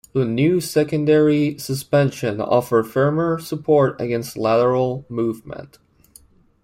The new secondary suspension offered firmer support against lateral movement.